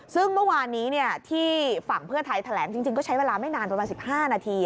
ซึ่งเมื่อวานนี้ที่ฝั่งเพื่อไทยแถลงจริงก็ใช้เวลาไม่นานประมาณ๑๕นาที